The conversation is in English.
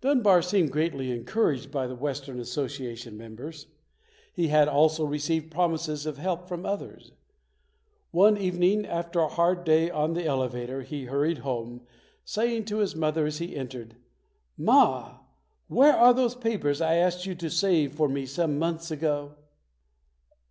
Dunbar seemed greatly encouraged by the Western Association members. He had also re ceived promises of help from others. One evening, after a hard day on the elevator, he hurried home, saying to his mother as he entered, "Ma, where are those papers I asked you to save for me some months ago?"